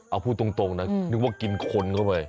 เอาพูดตรงนะนึกว่ากินคนเข้าไป